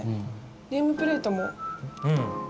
ネームプレートもね。